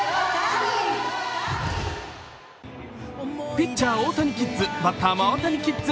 ピッチャー・大谷キッズ、バッターも大谷キッズ。